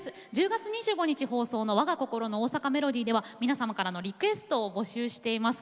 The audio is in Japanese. １０月２５日に放送の「大阪メロディー」では皆様からのリクエストを募集しています。